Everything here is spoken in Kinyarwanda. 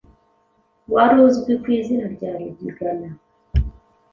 wari uzwi ku izina rya Rugigana,